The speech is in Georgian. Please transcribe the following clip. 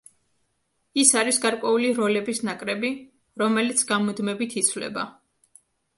ის არის გარკვეული როლების ნაკრები, რომელიც გამუდმებით იცვლება.